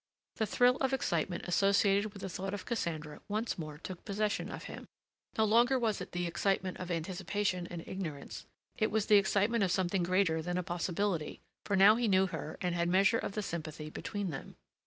The thrill of excitement associated with the thought of Cassandra once more took possession of him. No longer was it the excitement of anticipation and ignorance; it was the excitement of something greater than a possibility, for now he knew her and had measure of the sympathy between them.